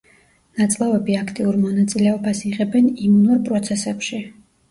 ნაწლავები აქტიურ მონაწილეობას იღებენ იმუნურ პროცესებში.